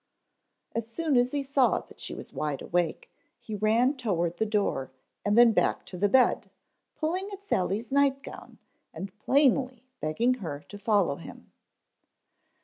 As soon as he saw that she was wide awake he ran toward the door and then back to the bed, pulling at Sally's nightgown, and plainly begging her to follow him.